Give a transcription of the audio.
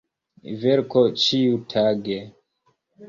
Verku ĉiutage!